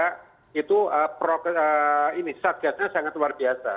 karena itu prokes ini satgasnya sangat luar biasa